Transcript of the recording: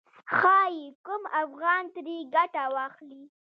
ښايي کوم افغان ترې ګټه واخلي.